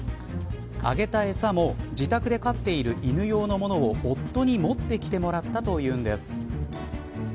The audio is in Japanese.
あげたえさも自宅で飼っている犬用の物を夫に持ってきてもらったというんです。